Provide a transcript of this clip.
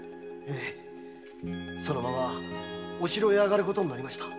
〔そのままお城へあがることになりました。